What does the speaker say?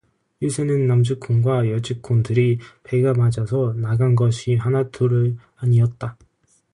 요새는 남직공과 여직공들이 배가 맞아서 나간 것이 하나둘이 아니었다.